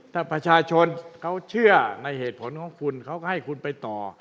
ถ้าประชาชนเขาเชื่อในเหตุผลของคุณเขาก็ให้คุณไปต่อ